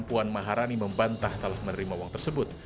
puan maharani membantah telah menerima uang tersebut